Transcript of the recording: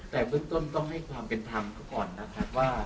แต่พื้นต้นต้องให้ความเป็นทางก็ก่อนนะครับว่า